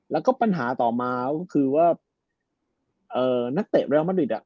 แล้วก็ปัญหาต่อมาก็คือว่านักเตะเรียลมาริด